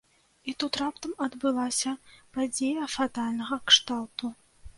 І тут раптам адбылася падзея фатальнага кшталту.